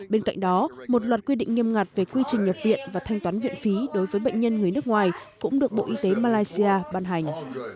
bên cạnh đó một loạt quy định nghiêm ngặt về quy trình nhập viện và thanh toán viện phí đối với bệnh nhân người nước ngoài cũng được bộ y tế malaysia ban hành